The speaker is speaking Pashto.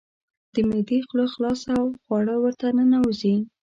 د معدې خوله خلاصه او خواړه ورته ننوزي.